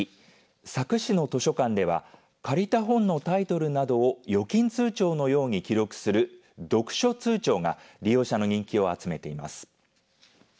佐久市の図書館では借りた本のタイトルなどを預金通帳のように記録する読書通帳が利用者の人気を集めています。